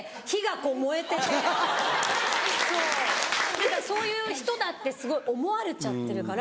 何かそういう人だってすごい思われちゃってるから。